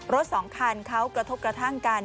สองคันเขากระทบกระทั่งกัน